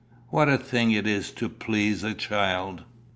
What a thing it is to please a child!"